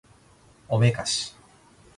おめかし